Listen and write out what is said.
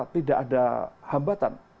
tidak ada hambatan